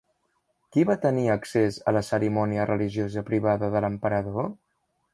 Qui va tenir accés a la cerimònia religiosa privada de l'emperador?